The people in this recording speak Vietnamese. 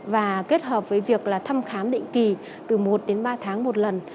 và kết hợp với việc là thăm khám định kỳ từ một đến ba tháng một lần